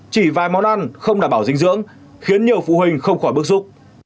chỉ vài món ăn không đảm bảo dinh dưỡng khiến nhiều phụ huynh không khỏi bức xúc